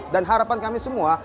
dan harapan kami semua